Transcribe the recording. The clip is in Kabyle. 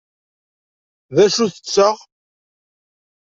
D acu tetteɣ?